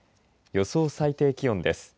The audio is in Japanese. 予想最低気温です。